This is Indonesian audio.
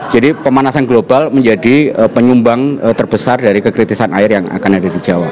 jadi pemanasan global menjadi penyumbang terbesar dari kekritisan air yang akan ada di jawa